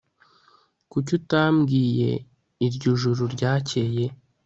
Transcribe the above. Kuki utambwiye iryo joro ryakeye